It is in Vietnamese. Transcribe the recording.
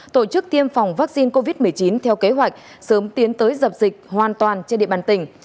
tổ chức tiêm phòng vaccine covid một mươi chín theo kế hoạch sớm tiến tới dập dịch hoàn toàn trên địa bàn tỉnh